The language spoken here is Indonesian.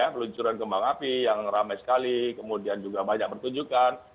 peluncuran kembang api yang ramai sekali kemudian juga banyak pertunjukan